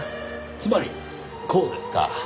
つまりこうですか？